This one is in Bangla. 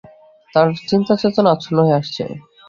তাঁর চিন্তা চেতনা আচ্ছন্ন হয়ে আসছে।